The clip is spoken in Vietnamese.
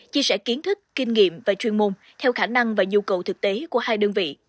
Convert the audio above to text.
chia sẻ kiến thức kinh nghiệm và chuyên môn theo khả năng và nhu cầu thực tế của hai đơn vị